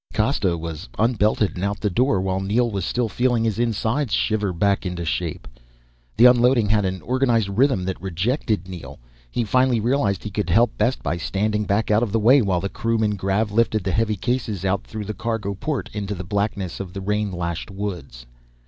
Costa was unbelted and out the door while Neel was still feeling his insides shiver back into shape. The unloading had an organized rhythm that rejected Neel. He finally realized he could help best by standing back out of the way while the crewmen grav lifted the heavy cases out through the cargo port, into the blackness of the rain lashed woods.